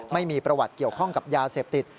ไม่มีประวัติเกี่ยวข้องกับยาเสพติด